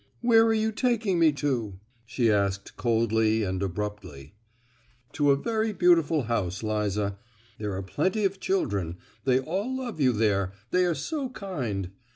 "Where are you taking me to?" she asked coldly and abruptly. "To a very beautiful house, Liza. There are plenty of children,—they'll all love you there, they are so kind!